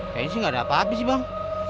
kayaknya sih nggak ada apaan sih bang